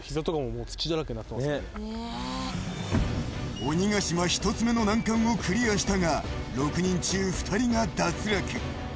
鬼ヶ島１つ目の難関をクリアしたが６人中２人が脱落。